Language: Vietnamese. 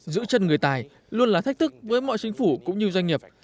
giữ chân người tài luôn là thách thức với mọi chính phủ cũng như doanh nghiệp